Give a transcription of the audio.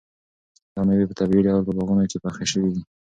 دا مېوې په طبیعي ډول په باغونو کې پخې شوي دي.